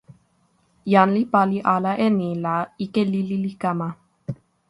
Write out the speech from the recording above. jan li pali ala e ni la ike lili li kama.